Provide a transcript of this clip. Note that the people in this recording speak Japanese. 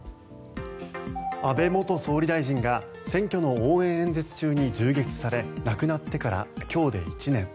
安倍元総理大臣が選挙の応援演説中に銃撃され亡くなってから今日で１年。